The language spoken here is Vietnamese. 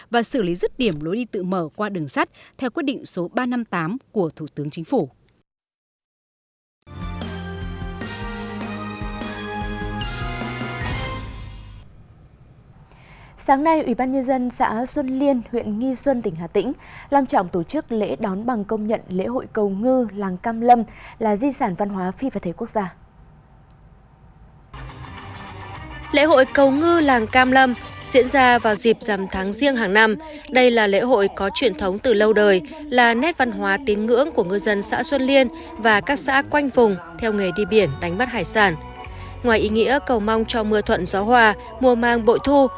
và xử lý rứt điểm lối đi tự mở qua đường sắt theo quyết định số ba trăm năm mươi tám của thủ tướng chính phủ